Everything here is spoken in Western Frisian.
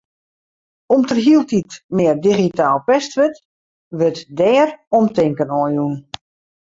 Om't der hieltyd mear digitaal pest wurdt, wurdt dêr omtinken oan jûn.